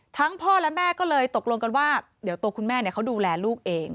พ่อและแม่ก็เลยตกลงกันว่าเดี๋ยวตัวคุณแม่เขาดูแลลูกเอง